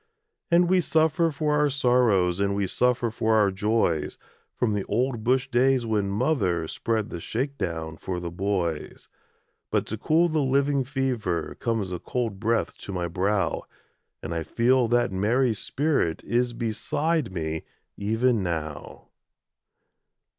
And we suffer for our sorrows, And we suffer for our joys, From the old bush days when mother Spread the shake down for the boys. But to cool the living fever, Comes a cold breath to my brow, And I feel that Mary's spirit Is beside me, even now.